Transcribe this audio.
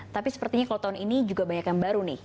tapi sepertinya kalau tahun ini juga banyak yang baru nih